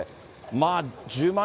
まあ１０万